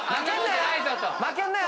負けんなよ！